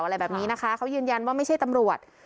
อะไรแบบนี้นะคะเขายืนยันว่าไม่ใช่ตำรวจ